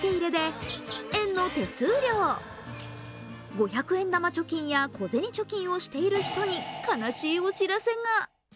五円玉貯金や小銭貯金をしている人に悲しいお知らせが。